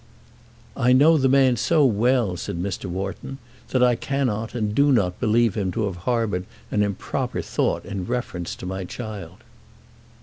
"I know the man so well," said Mr. Wharton, "that I cannot and do not believe him to have harboured an improper thought in reference to my child."